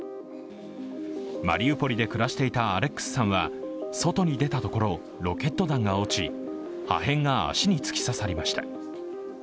マリウポリで暮らしていたアレックスさんは外に出たところ、ロケット弾が落ち、破片が足に突き刺さりました。